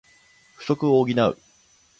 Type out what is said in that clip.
不足を補う